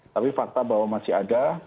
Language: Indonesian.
tapi fakta bahwa masih ada